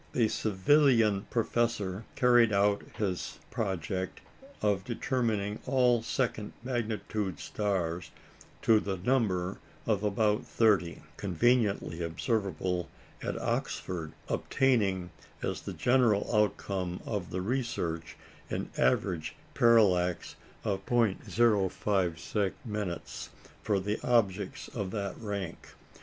The Savilian Professor carried out his project of determining all second magnitude stars to the number of about thirty, conveniently observable at Oxford, obtaining as the general outcome of the research an average parallax of 0·056", for objects of that rank.